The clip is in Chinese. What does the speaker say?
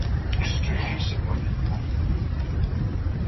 刚果咖啡为茜草科咖啡属下的一个种。